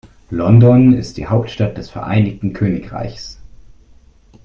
London ist die Hauptstadt des Vereinigten Königreichs.